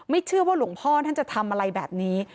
เชื่อว่าหลวงพ่อท่านจะทำอะไรแบบนี้